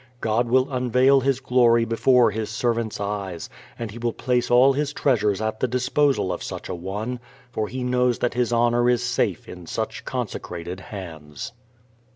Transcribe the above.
God will unveil His glory before His servant's eyes, and He will place all His treasures at the disposal of such a one, for He knows that His honor is safe in such consecrated hands.